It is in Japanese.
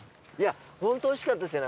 本当おいしかったんですよね。